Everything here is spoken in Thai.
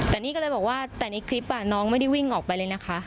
แต่นี่ก็เลยบอกว่าแต่ในคลิปน้องไม่ได้วิ่งออกไปเลยนะคะ